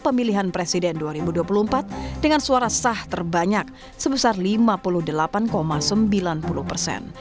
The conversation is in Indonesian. pemilihan presiden dua ribu dua puluh empat dengan suara sah terbanyak sebesar lima puluh delapan sembilan puluh persen